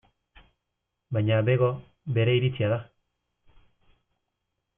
Baina bego, bere iritzia da.